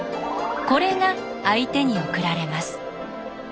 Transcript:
これが相手に送られます。